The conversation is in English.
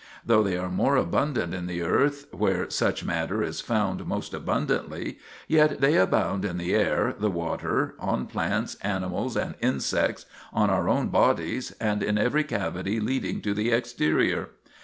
Though they are more abundant in the earth where such matter is found most abundantly, yet they abound in the air, the water, on plants, animals, and insects, on our own bodies, and in every cavity leading to the exterior.